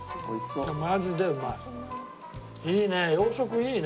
いいね。